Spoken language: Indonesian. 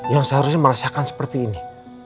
yang seharusnya merasakan seperti ini